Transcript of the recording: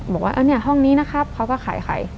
บอกว่าเนี่ยห้องนี้นะครับเขาก็ขายไข่